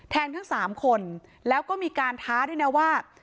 ทั้งสามคนแล้วก็มีการท้าด้วยนะว่า